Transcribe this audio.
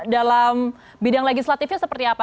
dalam bidang legislatifnya seperti apa